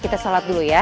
kita sholat dulu ya